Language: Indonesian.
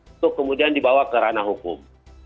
untuk kemudian dibawa ke ranah hukum